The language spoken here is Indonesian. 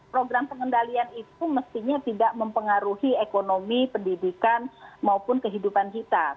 program pengendalian itu mestinya tidak mempengaruhi ekonomi pendidikan dan kepentingan